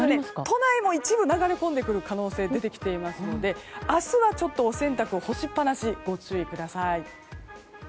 都内も一部流れ込んでくる可能性が出てきていますので明日はお洗濯の干しっぱなしご注意ください。